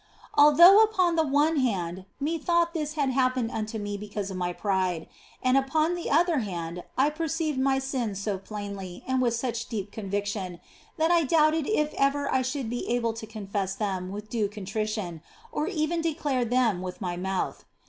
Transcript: Although upon the one hand methought this had happened unto me because of my pride, upon the other hand I perceived my sins so plainly and with such deep conviction that I doubted if ever I should be able to confess them with due contrition, or even declare them with my mouth.